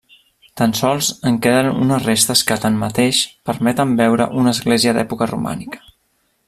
Tan sols en queden unes restes que, tanmateix, permeten veure una església d'època romànica.